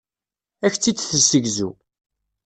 Ad ak-tt-id-tessegzu.